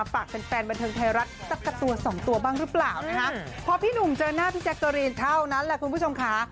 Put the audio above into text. พอพี่หนุ่มเจอหน้าพี่แจ๊กเกอรีนเท่านั้นแหละคุณผู้ชมค่ะ